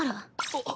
あっ。